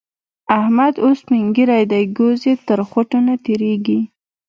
احمد اوس سپين ږير دی؛ ګوز يې تر خوټو نه تېرېږي.